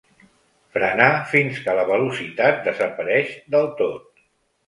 Frenar fins que la velocitat desapareix del tot.